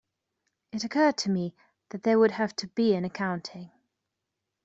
It occurred to me that there would have to be an accounting.